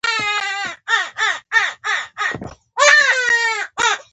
ډېر وېردلي وو شنې اوبه داسې ښکارېدې.